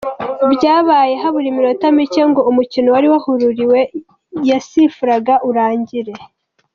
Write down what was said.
Byabaye habura iminota micye ngo umukino wari wahururiwe yasifuraga urangire.